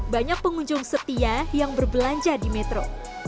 banyak pengunjung setia yang berbelanja di metro